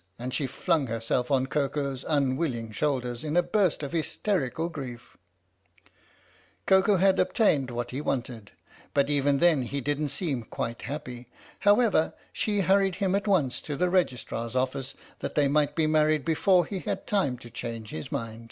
" And she flung herself on Koko's unwilling shoulders in a burst of hysterical grief. Koko had obtained what he wanted, but even then he didn't seem quite happy. However, she hurried him at once to the Registrar's office that they might be married before he had time to change his mind.